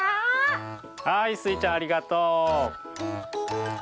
はいスイちゃんありがとう。